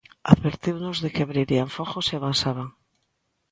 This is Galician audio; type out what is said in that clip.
Advertiunos de que abrirían fogo se avanzaban.